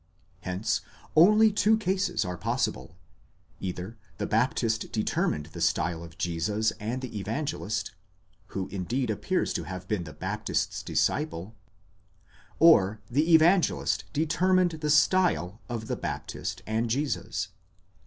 Hence only two cases are possible : either the Baptist determined the style of Jesus and the Evangelist {who indeed appears to have been the Baptist's disciple) ; or the Evangelist determined the style of the Baptist and Jesus.